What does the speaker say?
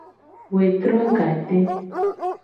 Wetro gade.